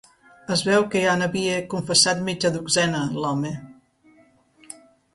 Es veu que ja n'havia confessat mitja dotzena, l'home.